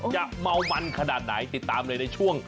จะเมามันขนาดไหนติดตามเลยในช่วง